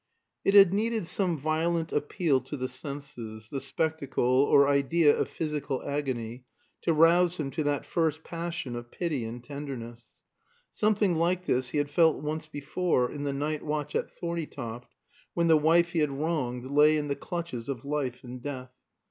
It had needed some violent appeal to the senses, the spectacle or idea of physical agony, to rouse him to that first passion of pity and tenderness. Something like this he had felt once before, in the night watch at Thorneytoft, when the wife he had wronged lay in the clutches of life and death.